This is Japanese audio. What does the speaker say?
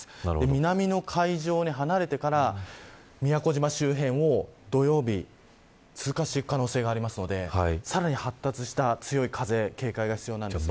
南の海上で、離れてから宮古島周辺を土曜日、通過していく可能性がありますのでさらに、発達した強い風警戒が必要になります。